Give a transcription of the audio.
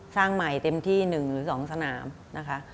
สร้างใหม่เต็มที่๑หรือ๒สนามนะคะ